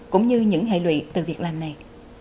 cũng như những hệ lụy từ việt nam này